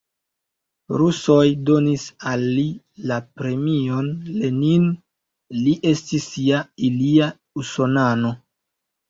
Rusoj donis al li la premion Lenin, li estis ja ilia usonano.